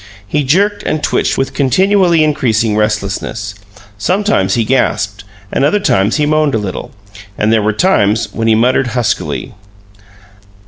He jerked and twitched with continually increasing restlessness; sometimes he gasped, and other times he moaned a little, and there were times when he muttered huskily.